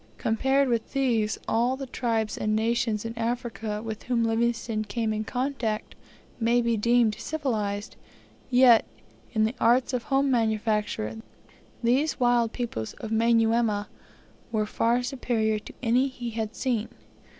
Compared with these, all tribes and nations in Africa with whom Livingstone came in contact may be deemed civilized, yet, in the arts of home manufacture, these wild people of Manyuema were far superior to any he had seen.